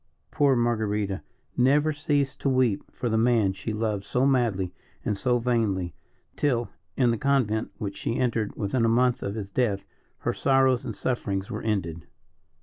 Poor Marguerita never ceased to weep for the man she loved so madly and so vainly, till, in the convent which she entered within a month of his death, her sorrows and sufferings were ended.